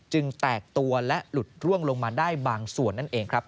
แตกตัวและหลุดร่วงลงมาได้บางส่วนนั่นเองครับ